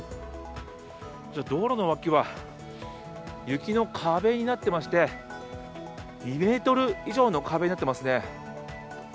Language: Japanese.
道路の脇は雪の壁になっていまして、２ｍ以上の壁になっていますね。